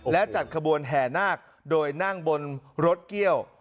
และจัดขบวนแห่นาคโดยนั่งบนรถเกี้ยว